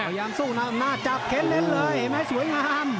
พยายามสู้นะอำนาจจับเข้นเน้นเลยเห็นไหมสวยงาม